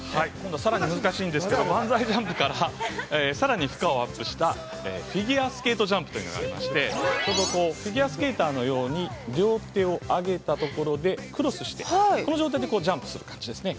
◆さらに難しいんですけど、バンザイジャンプからさらに負荷をアップしたフィギュアスケートジャンプというのがありまして、フィギュアスケーターのように両手を上げたところでクロスして、この状態でジャンプする感じですね。